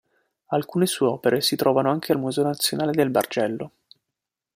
Alcune sue opere si trovano anche al Museo nazionale del Bargello.